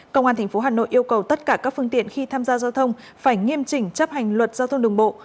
công an tp hà nội yêu cầu tất cả các phương tiện khi tham gia giao thông phải nghiêm chỉnh chấp hành luật giao thông đường bộ